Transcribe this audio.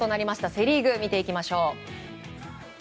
セ・リーグを見ていきましょう。